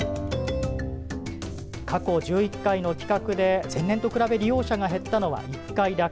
過去１１回の企画で前年と比べ利用者が減ったのは１回だけ。